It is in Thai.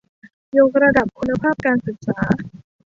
ยกระดับคุณภาพการศึกษา